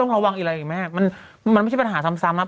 ต้องระวังอีกอะไรอีกไหมมันมันไม่ใช่ปัญหาซ้ำซ้ำนะ